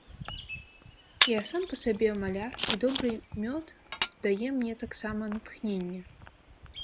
Я сам па сабе маляр, і добры мёд дае мне таксама натхненне.